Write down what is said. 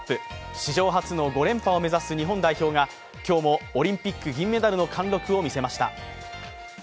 史上初の５連覇を目指す日本代表が今日もオリンピック銀メダルの貫禄を見せました。